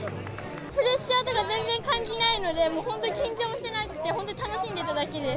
プレッシャーとか全然感じないので、本当に緊張もしてなくて、本当に楽しんでいただけです。